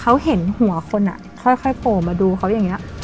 เขาเห็นหัวคนค่อยโผล่มาดูเขาอย่างนี้